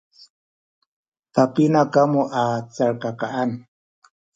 papina kamu a calkakaan?